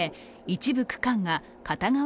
一部区間が片側